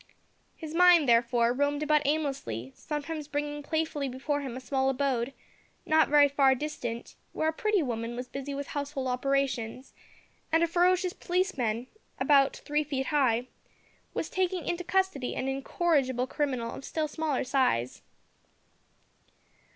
His mind, therefore, roamed about aimlessly, sometimes bringing playfully before him a small abode, not very far distant, where a pretty woman was busy with household operations, and a ferocious policeman, about three feet high, was taking into custody an incorrigible criminal of still smaller size.